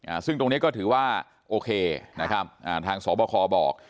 ซึ่งตรงเนี้ยก็ถือว่าโอเคนะครับอ่าทางสอบคอบอก